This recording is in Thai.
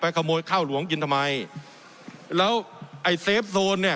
ขโมยข้าวหลวงกินทำไมแล้วไอ้เซฟโซนเนี่ย